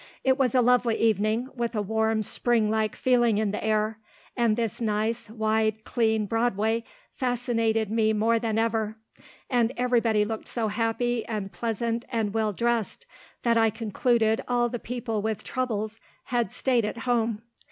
It was a lovely evening, with a warm spring like feeling in the air, and this nice, wide, clean Broadway fascinated me more than ever, and everybody looked so happy and pleasant and well dressed that I concluded all the people with troubles had stayed at home.